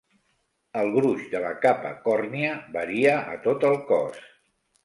El gruix de la "capa còrnia" varia a tot el cos.